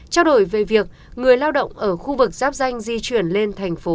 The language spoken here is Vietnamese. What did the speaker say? trao đổi về việc người lao động ở khu vực giáp danh di chuyển lên thành phố